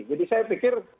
jadi saya pikir